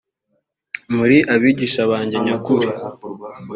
muri abigishwa banjye nyakuri